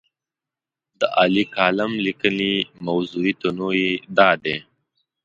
د عالي کالم لیکنې موضوعي تنوع یې دا دی.